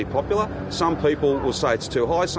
beberapa orang akan mengatakan ini terlalu tinggi